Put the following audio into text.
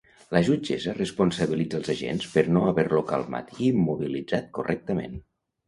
La jutgessa responsabilitza els agents per no haver-lo calmat i immobilitzat correctament.